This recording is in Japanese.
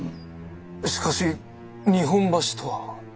しかし日本橋とは。